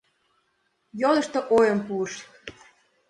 Йодышто, ойым пуыш.